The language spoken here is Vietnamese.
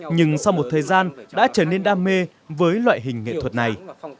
nhưng sau một thời gian đã trở nên đam mê với loại hình nghệ thuật này